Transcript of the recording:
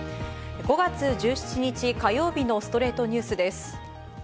５月１７日、火曜日の『ストレイトニュース』です。